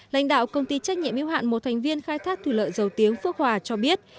lãnh đạo công ty trách nhiệm yêu hạn một thành viên khai thác thủy lợi dầu tiếng phước hòa cho biết